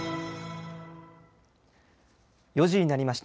４時になりました。